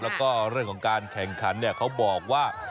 แล้วก็เรื่องของการแข่งขันเนี่ยเขาบอกว่า